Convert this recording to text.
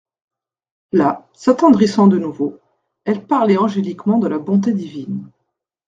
Là, s'attendrissant de nouveau, elle parlait angéliquement de la bonté divine.